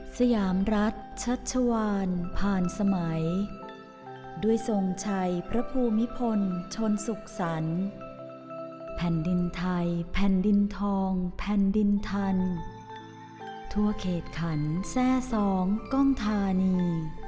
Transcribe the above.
สยามรัฐชัชวานผ่านสมัยด้วยทรงชัยพระภูมิพลชนสุขสรรค์แผ่นดินไทยแผ่นดินทองแผ่นดินทันทั่วเขตขันแทร่สองกล้องธานี